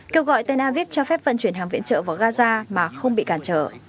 kêu gọi tenavib cho phép vận chuyển hàng viện trợ vào gaza mà không bị cản trở